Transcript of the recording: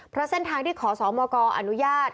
เพราะเส้นทางที่ขอสมกอนุญาต